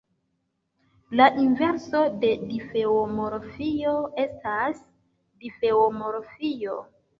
La inverso de difeomorfio estas difeomorfio.